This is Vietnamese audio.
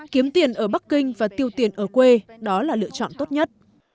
kiếm tiền ở bắc kinh và tiêu tiền ở quê đó là lựa chọn tốt nhất